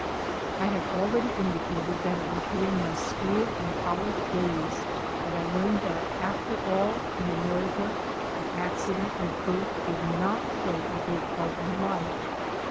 I have already indicated that it was during my school and college days that I learned that after all in America the accident of birth did not play a great part in life.